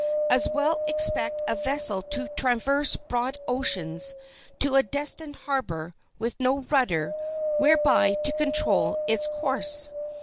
As well expect a vessel to traverse broad oceans to a destined harbor with no rudder whereby to control its course.